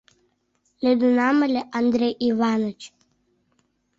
— Лӱдынам ыле, Андрей Иваныч.